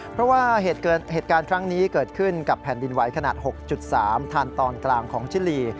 เพราะว่าเหตุการณ์ครั้งนี้เกิดขึ้นกับแผ่นดินไหวขนาด๖๓ทางตอนกลางของชิลี